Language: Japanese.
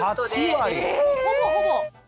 ほぼほぼ。